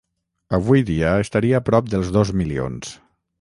Avui dia estaria prop dels dos milions.